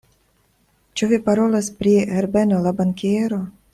Ĉu vi parolas pri Herbeno la bankiero?